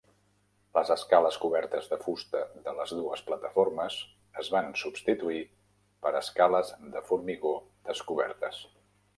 Les escales cobertes de fusta de les dues plataformes es van substituir per escales de formigó descobertes.